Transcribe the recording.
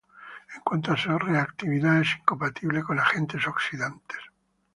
En cuanto a su reactividad, es incompatible con agentes oxidantes.